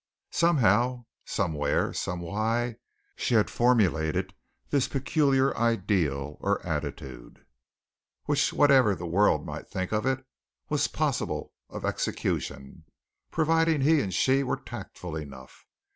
Somehow, somewhere, somewhy, she had formulated this peculiar ideal or attitude, which whatever the world might think of it, was possible of execution, providing he and she were tactful enough.